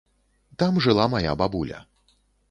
Там жыла мая бабуля.